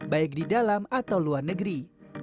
baik di dalam atau luar negeri